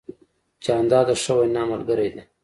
جانداد د ښه وینا ملګری دی.